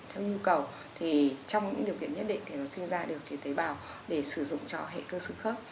theo nhu cầu thì trong những điều kiện nhất định thì nó sinh ra được cái tế bào để sử dụng cho hệ cơ sự khớp